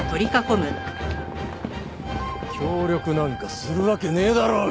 協力なんかするわけねえだろうがコラァ！